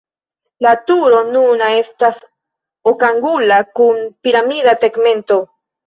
La turo nuna estas okangula kun piramida tegmento.